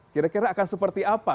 kira kira akan seperti apa